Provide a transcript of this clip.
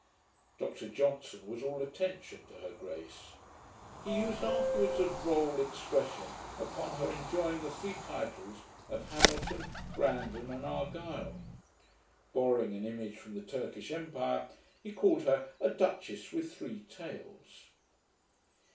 Dr Johnson was all attention to her grace. He used afterwards a droll expression, upon her enjoying the three titles of Hamilton, Brandon, and Argyle. Borrowing an image from the Turkish empire, he called her a 'Duchess with three tails'.